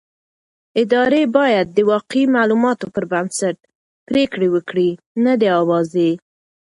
ادارې بايد د واقعي معلوماتو پر بنسټ پرېکړې وکړي نه د اوازې.